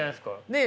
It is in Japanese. ねえ。